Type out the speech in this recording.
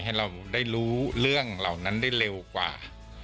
ให้เราได้รู้เรื่องเหล่านั้นได้เร็วกว่า